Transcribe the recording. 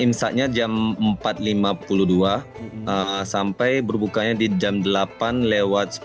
insatnya jam empat lima puluh dua sampai berbukanya di jam delapan lewat sepuluh